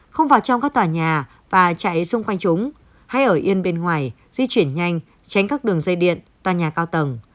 không vào trong các tòa nhà và chạy xung quanh chúng hay ở yên bên ngoài di chuyển nhanh tránh các đường dây điện tòa nhà cao tầng